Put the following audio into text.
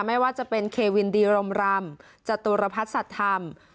ไม่ว่าจะเป็นเควินดีรมรำจตุรพัฒนสัตว์ธรรม